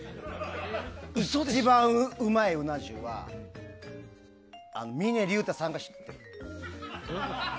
一番うまいうな重は峰竜太さんが知ってる。